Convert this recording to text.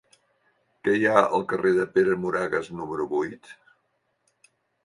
Què hi ha al carrer de Pere Moragues número vuit?